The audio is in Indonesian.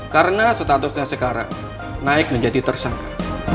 karena statusnya sekarang naik menjadi tersangka